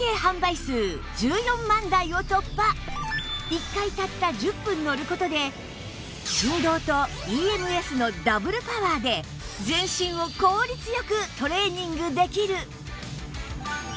１回たった１０分乗る事で振動と ＥＭＳ のダブルパワーで全身を効率よくトレーニングできる！